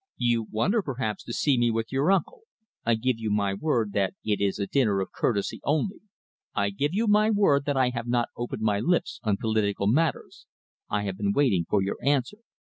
"You wonder, perhaps, to see me with your uncle. I give you my word that it is a dinner of courtesy only. I give you my word that I have not opened my lips on political matters. I have been waiting for your answer."